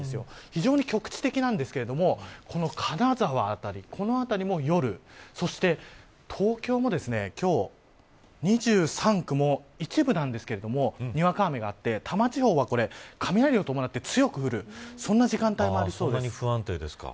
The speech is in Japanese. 非常に局地的なんですけど金沢辺りも夜そして、東京も今日、２３区の一部なんですけれどもにわか雨があって多摩地方は雷を伴って強く降るそんなに不安定ですか。